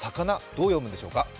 どう読むんでしょうか。